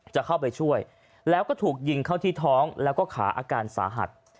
จะเข้าไปช่วยแล้วก็ถูกยิงเข้าที่ท้องแล้วก็ขาอาการสาหัส